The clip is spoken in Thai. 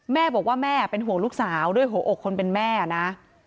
แม่บอกว่าแม่เป็นห่วงลูกสาวด้วยหัวอกคนเป็นแม่นะ